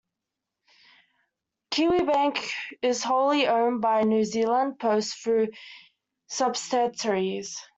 Kiwibank is wholly owned by New Zealand Post through subsidiaries.